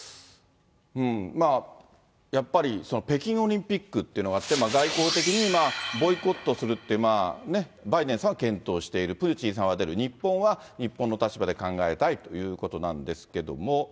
まあやっぱり北京オリンピックっていうのがあって、外交的にボイコットするっていう、バイデンさんは検討している、プーチンさんは出る、日本は日本の立場で考えたいということなんですけども。